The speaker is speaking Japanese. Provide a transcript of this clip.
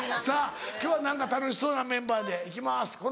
さぁ今日は何か楽しそうなメンバーで行きます。